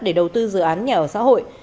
để đầu tư dự án nhà ở xã hội